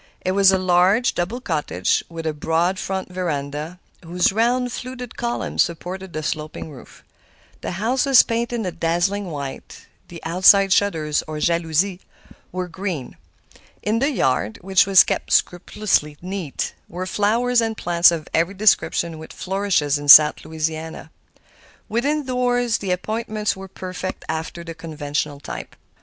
It was a large, double cottage, with a broad front veranda, whose round, fluted columns supported the sloping roof. The house was painted a dazzling white; the outside shutters, or jalousies, were green. In the yard, which was kept scrupulously neat, were flowers and plants of every description which flourishes in South Louisiana. Within doors the appointments were perfect after the conventional type.